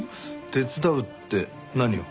手伝うって何を？